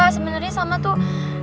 sebenernya sama tuh